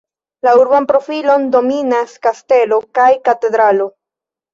La urban profilon dominas kastelo kaj katedralo.